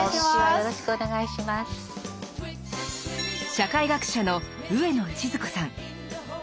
社会学者の上野千鶴子さん。